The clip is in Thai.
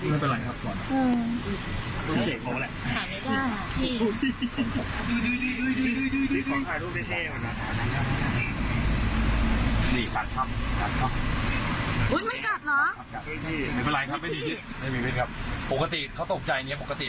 นี่ไ่เนี่ยเขาเป็นธรรมชาติแล้วเขาจะไปกัดแต่ถ้าเราไปจับเขาเจ็บหรือเขากลบใจเนี่ยเขาจะกัดครับ